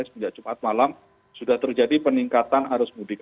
sejak jumat malam sudah terjadi peningkatan arus mudik